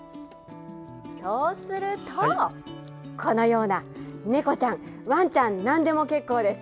そうするとこのような猫ちゃん、ワンちゃんなんでも結構です。